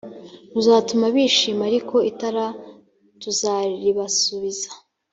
ruzatuma bishima ariko itara tuzaribasubiza